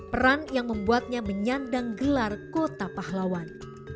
peran yang membuatnya menyandang gelar kota pahlawan